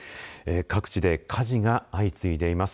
各地で火事が相次いでいます。